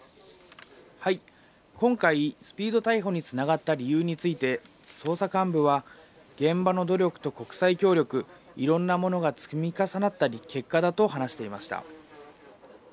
今回、スピード逮捕につながった理由について、捜査幹部は、現場の努力と国際協力、いろんなものが積み重なった結果だと話していました。